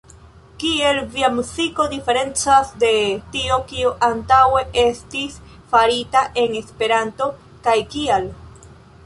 Kiel via muziko diferencas de tio, kio antaŭe estis farita en Esperanto, kaj kial?